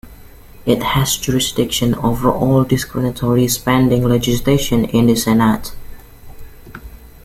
It has jurisdiction over all discretionary spending legislation in the Senate.